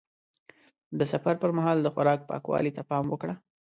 د سفر پر مهال د خوراک پاکوالي ته پام وکړه.